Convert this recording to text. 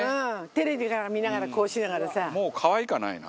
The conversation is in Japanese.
テレビ見ながらこうしながらさ。